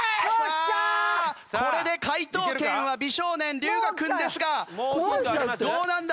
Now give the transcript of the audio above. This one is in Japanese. さあこれで解答権は美少年龍我君ですがどうなんだ？